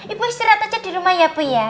ibu istirahat aja di rumah ya bu ya